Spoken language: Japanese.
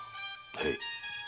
はい。